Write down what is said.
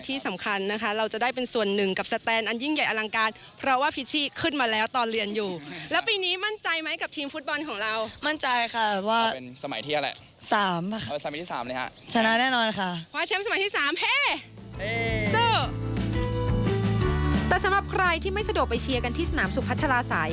แต่สำหรับใครที่ไม่สะเติบไปเชียร์กันที่สนามสุพัชลาศัยก็สามารถติดตามการถ่ายทอดสด